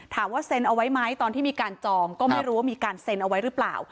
ถามว่าเซ็นเอาไว้ไหมตอนที่มีการจองก็ไม่รู้ว่ามีการเซ็นเอาไว้หรือเปล่า